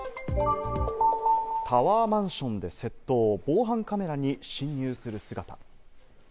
タワーマンションで窃盗、防犯カメラに侵入する姿。